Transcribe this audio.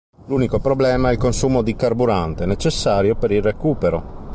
L'unico problema è il consumo di carburante necessario per il recupero.